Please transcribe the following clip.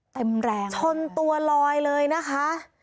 เต็มแรงชนตัวลอยเลยนะคะ